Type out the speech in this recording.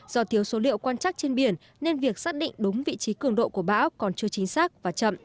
do thiếu số liệu quan trắc trên biển nên việc xác định đúng vị trí cường độ của bão còn chưa chính xác và chậm